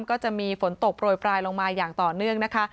ก็จะมีฝนตกโปรยปลายลงมาอย่างต่อเนื่องนะคะ